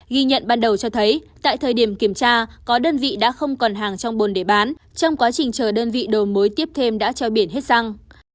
ghi nhận ban đầu cho thấy tại thời điểm kiểm tra có đơn vị đã không còn hàng trong bồn để bán trong quá trình chờ đơn vị đồ mối tiếp thêm đã treo biển hết xăng